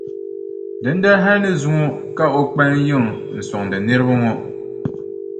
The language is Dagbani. Dindali hali ni zuŋɔ ka o kpalim yiŋa n-sɔŋdi niriba ŋɔ.